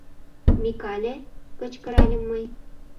«Микале!» — кычкыральым мый.